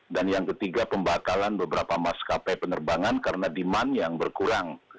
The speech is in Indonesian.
dan yang ketiga pembatalan beberapa maskapai penerbangan karena demand yang berkurang